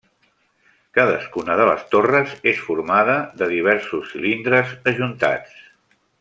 Cadascuna de les torres és formada de diversos cilindres ajuntats.